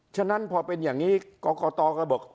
เพราะงั้นพอเป็นอย่างนี้กกกค่ะบอก